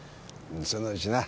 そのうちな。